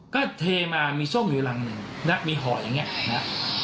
ก็เทมามีส้มอยู่รังหนึ่งนะมีห่ออย่างนี้นะ